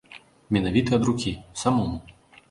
Менавіта ад рукі, самому.